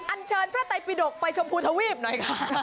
อันเชิญพระไตปิดกไปชมพูทวีปหน่อยค่ะ